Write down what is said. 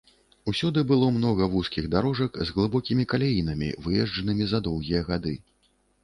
Усюды было многа вузкіх дарожак з глыбокімі каляінамі, выезджанымі за доўгія гады.